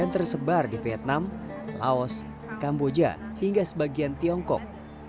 terbar di vietnam laos kamboja hingga sebagian tiongkok